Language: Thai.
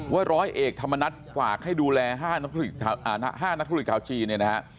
ว่าร้อยเอกธรรมนัฐฝากให้ดูแล๕นักธุรกิจขาวจีน